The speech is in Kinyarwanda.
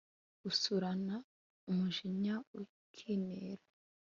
Usurana umujinya ukinera.